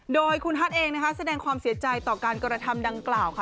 โดยคุณฮัทเองนะคะแสดงความเสียใจต่อการกระทำดังกล่าวค่ะ